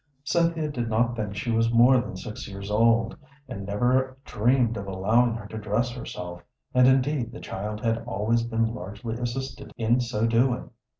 Cynthia did not think she was more than six years old, and never dreamed of allowing her to dress herself, and indeed the child had always been largely assisted in so doing.